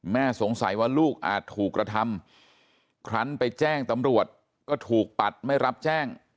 สงสัยว่าลูกอาจถูกกระทำครั้งไปแจ้งตำรวจก็ถูกปัดไม่รับแจ้ง